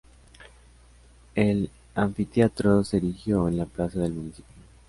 El anfiteatro se erigió en la plaza del Municipio.